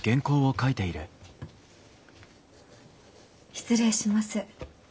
失礼します。